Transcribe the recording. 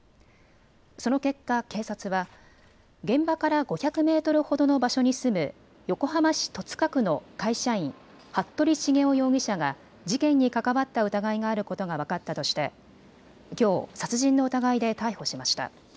その結果、警察は現場から５００メートルほどの場所に住む横浜市戸塚区の会社員、服部繁雄容疑者が事件に関わった疑いがあることが分かったとしてきょう殺人の疑いで逮捕しました。